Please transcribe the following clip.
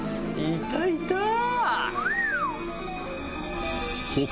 いたいた！